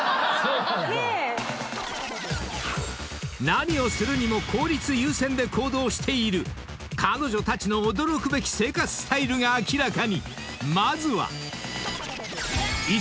［何をするにも効率優先で行動している彼女たちの驚くべき生活スタイルが明らかに！］